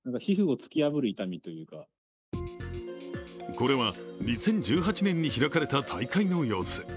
これは２０１８年に開かれた大会の様子。